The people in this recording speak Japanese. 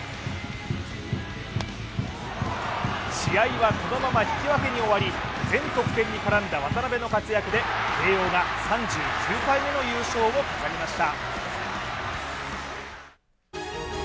試合はこのまま引き分けに終わり全得点に絡んだ渡部の活躍で慶応が３９回目の優勝を飾りました。